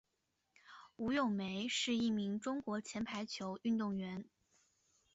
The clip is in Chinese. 吴咏梅是一名中国前排球运动员。